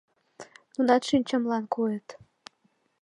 Нунат шинчамлан койыт.